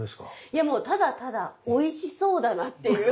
いやもうただただおいしそうだなっていう。